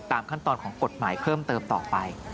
ขั้นตอนของกฎหมายเพิ่มเติมต่อไป